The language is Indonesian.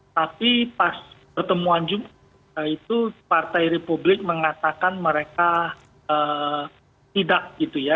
tapi pas pertemuan juga itu partai republik mengatakan mereka tidak gitu ya